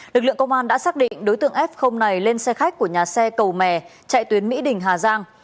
lực lượng công an đã xác định đối tượng f này lên xe khách của nhà xe cầu mè chạy tuyến mỹ đình hà giang